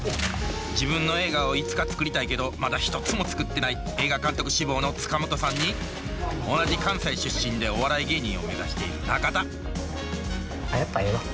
自分の映画をいつか作りたいけどまだ一つも作ってない映画監督志望の塚本さんに同じ関西出身でお笑い芸人を目指している中田あっやっぱええわ。